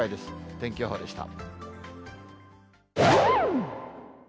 天気予報でした。